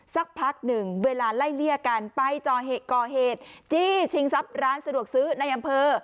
สักพักหนึ่งเวลาไล่เลี่ยกันไปก่อเหตุจี้ชิงทรัพย์ร้านสะดวกซื้อในอำเภอ